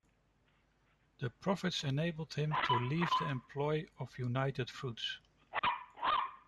The profits enabled him to leave the employ of United Fruits.